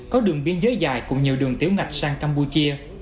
có đường biên giới dài cũng như đường tiểu ngạch sang campuchia